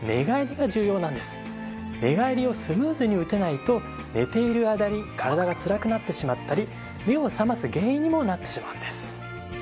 寝返りをスムーズに打てないと寝ている間に体がつらくなってしまったり目を覚ます原因にもなってしまうんです。